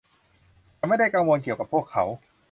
ฉันไม่ได้กังวลเกี่ยวกับพวกเขา